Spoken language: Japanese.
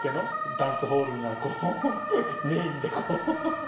ダンスホールがこうメインで。